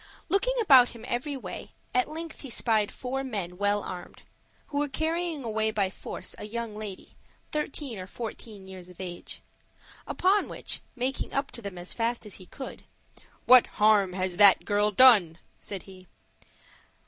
Looking about him every way, at length he spied four men well armed, who were carrying away by force a young lady, thirteen or fourteen years of age; upon which, making up to them as fast as he could, "What harm has that girl done?" said he.